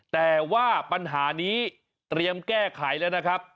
แต่ว่าปัญหานี้เตรียมแก้ไขแล้วนะครับ